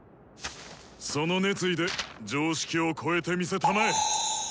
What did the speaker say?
その熱意で常識をこえてみせたまえ！